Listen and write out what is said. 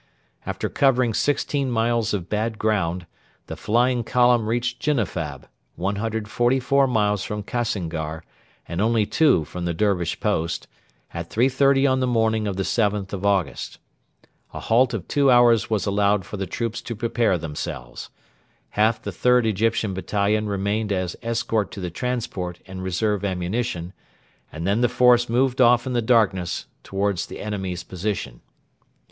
After covering sixteen miles of bad ground, the 'flying column' reached Ginnifab, 144 miles from Kassingar and only two from the Dervish post, at 3.30 on the morning of the 7th of August. A halt of two hours was allowed for the troops to prepare themselves. Half the 3rd Egyptian Battalion remained as escort to the transport and reserve ammunition, and then the force moved off in the darkness towards the enemy's position.